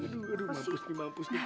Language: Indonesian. aduh mampus mampus